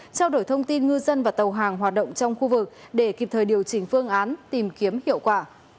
trao đổi thông tin ngư dân và tàu hàng hoạt động trong khu vực để kịp thời điều chỉnh phương án tìm kiếm hiệu quả